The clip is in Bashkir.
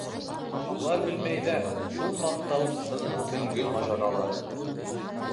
Улар белмәйҙәр шул маҡтаусының төнгө мажараларын.